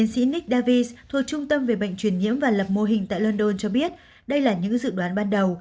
sajid thuộc trung tâm về bệnh truyền nhiễm và lập mô hình tại london cho biết đây là những dự đoán ban đầu